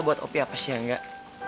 buat opi apa sih yang enggak